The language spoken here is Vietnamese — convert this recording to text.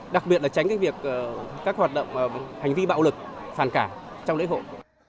đặc biệt là tránh cái việc các hoạt động hành vi bạo lực phản cảm trong lễ hội